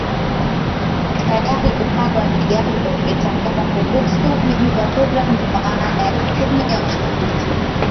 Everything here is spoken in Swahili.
tayari upande wa dialo umetangaza kuhisi wameibiwa kura ndio maana ya tume ya uchaguzi